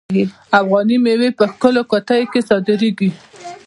افغاني میوې په ښکلو قطیو کې صادریږي.